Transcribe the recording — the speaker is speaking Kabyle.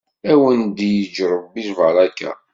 Ad wen-d-yeǧǧ Ṛebbi lbaṛaka.